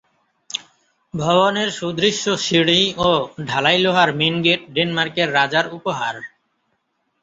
ভবনের সুদৃশ্য সিঁড়ি ও ঢালাই লোহার মেন গেট ডেনমার্কের রাজার উপহার।